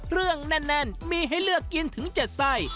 แน่นมีให้เลือกกินถึง๗ไส้